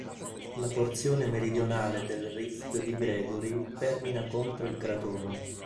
La porzione meridionale del rift di Gregory termina contro il cratone.